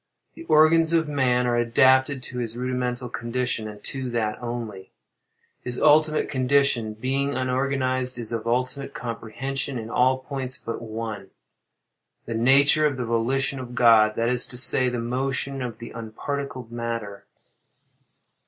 The organs of man are adapted to his rudimental condition, and to that only; his ultimate condition, being unorganized, is of unlimited comprehension in all points but one—the nature of the volition of God—that is to say, the motion of the unparticled matter.